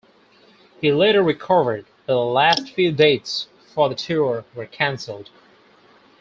He later recovered but the last few dates for the tour were cancelled.